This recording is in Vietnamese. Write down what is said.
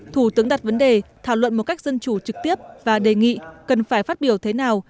thủ tướng đặt vấn đề thảo luận một cách dân chủ trực tiếp và đề nghị cần phải phát biểu thế nào